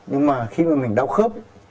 nhưng mà khi mà mình đau khớp